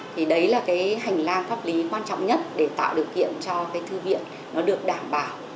thì đấy là cái hành lang pháp lý quan trọng nhất để tạo điều kiện cho cái thư viện nó được đảm bảo